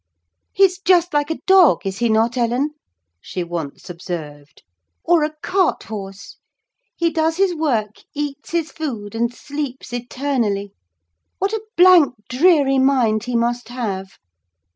"He's just like a dog, is he not, Ellen?" she once observed, "or a cart horse? He does his work, eats his food, and sleeps eternally! What a blank, dreary mind he must have!